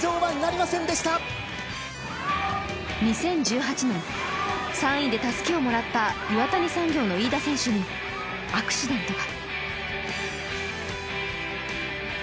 ２０１８年、３位でたすきをもらった岩谷産業の飯田選手にアクシデントが。